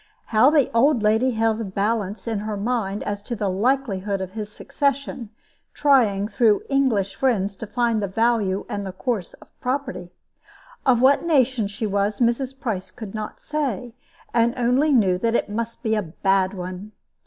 How the old lady held a balance in her mind as to the likelihood of his succession, trying, through English friends, to find the value and the course of property. Of what nation she was, Mrs. Price could not say, and only knew that it must be a bad one.